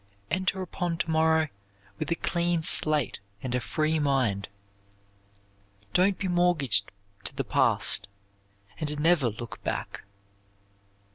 Enter upon to morrow with a clean slate and a free mind. Don't be mortgaged to the past, and never look back.